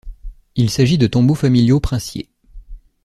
Il s'agit de tombeaux familiaux princiers.